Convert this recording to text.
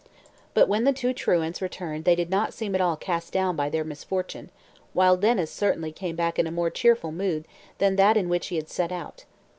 But when the two truants returned they did not seem at all cast down by their misfortune, while Denys certainly came back in a more cheerful mood than that in which he had set out.